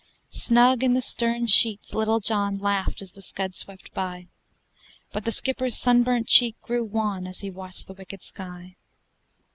Snug in the stern sheets, little John Laughed as the scud swept by; But the skipper's sunburnt cheek grew wan As he watched the wicked sky.